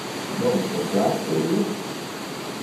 Non te place io?